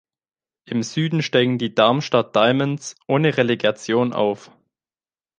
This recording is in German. Im Süden steigen die Darmstadt Diamonds ohne Relegation auf.